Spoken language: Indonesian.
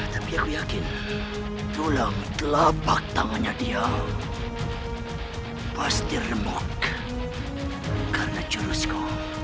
tapi aku yakin tulang telapak tangannya dia pasti remok karena jurusko